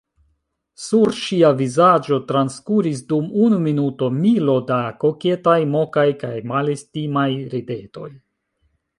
Sur ŝia vizaĝo transkuris dum unu minuto milo da koketaj, mokaj kaj malestimaj ridetoj.